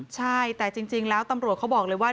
ใช่แต่จริงแล้วตำรวจเขาบอกเลยว่า